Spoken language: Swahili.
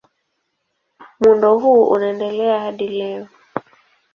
Muundo huu unaendelea hadi leo.